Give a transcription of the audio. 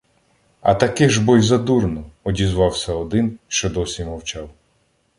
— А таки ж бо й задурно, — одізвався один, що досі мовчав.